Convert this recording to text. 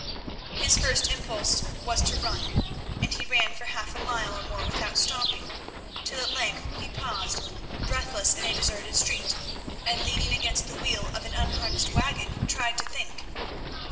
His first impulse was to run, and he ran for half a mile or more without stopping, till at length he paused breathless in a deserted street, and, leaning against the wheel of an unharnessed waggon, tried to think.